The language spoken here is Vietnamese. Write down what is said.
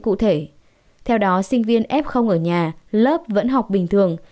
cụ thể theo đó sinh viên f ở nhà lớp vẫn học bình thường